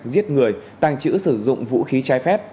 giết người tàng trữ sử dụng vũ khí trái phép